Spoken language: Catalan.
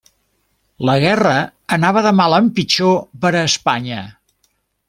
La guerra anava de mal en pitjor per a Espanya.